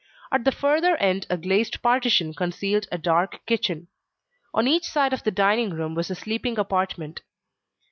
At the further end a glazed partition concealed a dark kitchen. On each side of the dining room was a sleeping apartment.